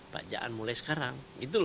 pak jaan mulai sekarang